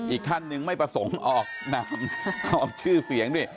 อีกท่านหนึ่งไม่ประสงค์ออกนามออกชื่อเสียงด้วย